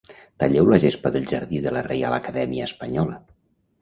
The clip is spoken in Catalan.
Talleu la gespa del jardí de la Reial Acadèmia Espanyola.